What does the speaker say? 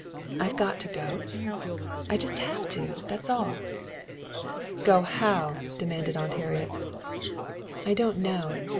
I've got to go. I just have to, that's all!" "Go how?" demanded Aunt Harriet. "I don't know.